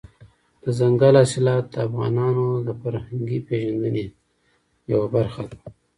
دځنګل حاصلات د افغانانو د فرهنګي پیژندنې یوه برخه ده.